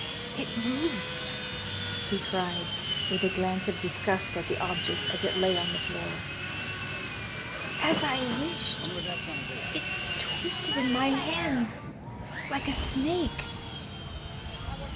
"It moved," he cried, with a glance of disgust at the object as it lay on the floor. "As I wished, it twisted in my hand like a snake."